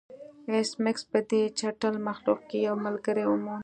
ایس میکس په دې چټل مخلوق کې یو ملګری وموند